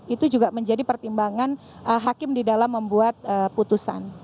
itu juga menjadi pertimbangan hakim di dalam membuat putusan